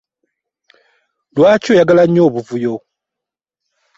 Lwaki oyagala nnyo obuvuyo?